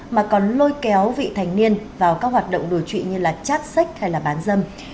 mà còn lôi kéo vị thành niên vào các hoạt động đổi trụy như chát sách hay bán dâm